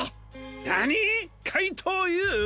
なにっ⁉かいとうＵ。